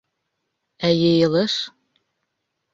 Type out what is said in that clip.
Ә йыйылыш?!